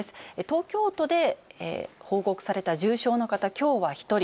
東京都で報告された重症の方、きょうは１人。